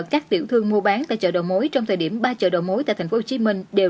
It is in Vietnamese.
các tiểu thương mua bán tại chợ đồ mối trong thời điểm ba chợ đồ mối tại thành phố hồ chí minh đều